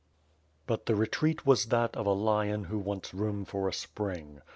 But the retreat was that of a lion who wants room for a spring.